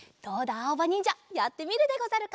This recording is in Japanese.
あおばにんじゃやってみるでござるか？